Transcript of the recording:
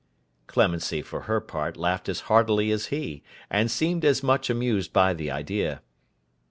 Clemency for her part laughed as heartily as he, and seemed as much amused by the idea.